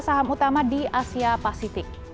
saham utama di asia pasifik